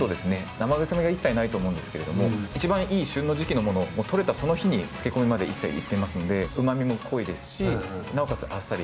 生臭みがいっさいないと思うんですけれどもいちばんいい旬の時期のものを獲れたその日に漬け込みまでいっさいいってますんで旨みも濃いですしなおかつあっさり。